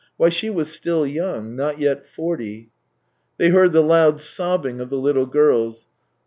" Why, she was still young — not yet forty." They heard the loud sobbing of the little girls.